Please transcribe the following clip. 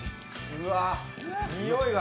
うわ、においが。